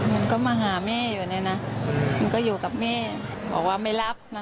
มันก็มาหาแม่อยู่เนี่ยนะมันก็อยู่กับแม่บอกว่าไม่รับนะ